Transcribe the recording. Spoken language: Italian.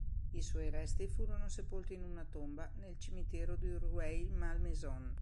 I suoi resti furono sepolti in una tomba nel cimitero di Rueil-Malmaison.